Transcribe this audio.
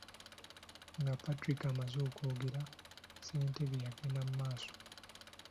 Nga Patrick amaze okwogera, ssentebe yagenda mu maaso.